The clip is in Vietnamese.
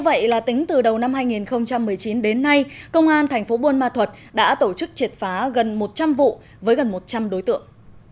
với gần một trăm linh đối tượng